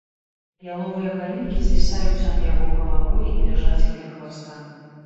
Яловыя галінкі звісаюць над яго галавой і ляжаць каля хваста.